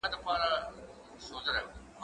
زه مخکي مکتب ته تللي وو؟